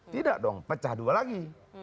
tidak dong pecah dua lagi